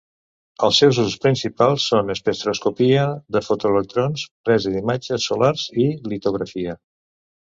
Els seus usos principals són espectroscòpia de fotoelectrons, presa d'imatges solars i litografia.